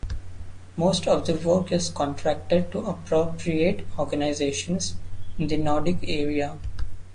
Most of the work is contracted to appropriate organisations in the Nordic area.